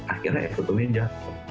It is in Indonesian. akhirnya ekonominya jatuh